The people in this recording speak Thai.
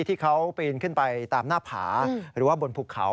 ที่เขาปีนขึ้นไปตามหน้าผาหรือว่าบนภูเขา